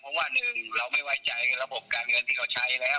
เพราะว่าหนึ่งเราไม่ไว้ใจระบบการเงินที่เขาใช้แล้ว